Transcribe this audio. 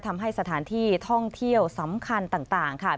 ทำให้สถานที่ท่องเที่ยวสำคัญต่างค่ะ